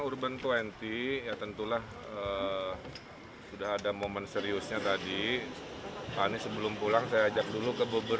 urban dua puluh ya tentulah sudah ada momen seriusnya tadi pak anies sebelum pulang saya ajak dulu ke bubur